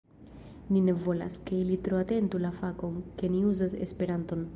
Ni ne volas, ke ili tro atentu la fakton, ke ni uzas Esperanton